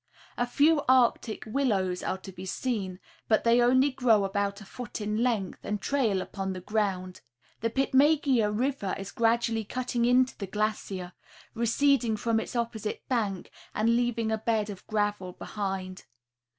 A few Arctic willows are to be seen, but they only grow about a foot in length, and trail upon the ground. The Pitmegea river is gradually cutting into the glacier, receding from its opposite bank and leaving a bed of gravel behind.